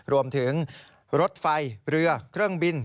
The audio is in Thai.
รวมถึงรถไฟเรือเครื่องบิน